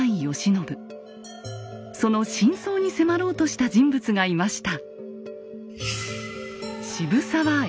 その真相に迫ろうとした人物がいました。